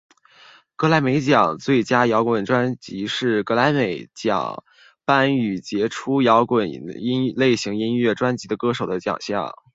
葛莱美奖最佳摇滚专辑是葛莱美奖颁予杰出摇滚类型音乐专辑的歌手的奖项。